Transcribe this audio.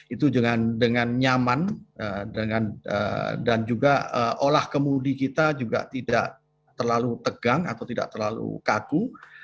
itu dengan nyaman dan juga olah kemudi kita juga tidak terlalu tegang atau tidak terlalu kaku